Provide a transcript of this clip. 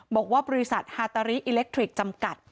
บอกว่าบริษัทฮาตาริอิเล็กทริกส์จำกัด